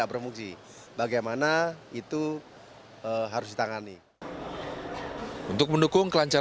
karena jumlahnya cukup banyak satu lima ratus